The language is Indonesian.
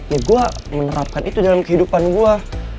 ya gua menerapkan itu dalam kehidupan gua